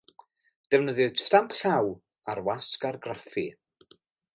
Defnyddiwyd stamp llaw a'r wasg argraffu.